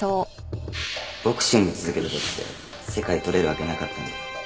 ボクシング続けてたって世界取れるわけなかったんで。